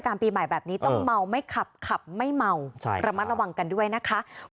ปีใหม่แบบนี้ต้องเมาไม่ขับขับไม่เมาระมัดระวังกันด้วยนะคะ